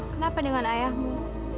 kenapa dengan ayahmu